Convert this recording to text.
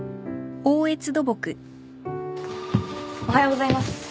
おはようございます。